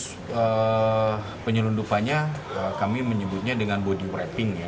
modus penyelundupannya kami menyebutnya dengan body wrapping